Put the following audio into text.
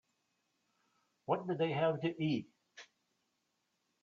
What did they have to eat?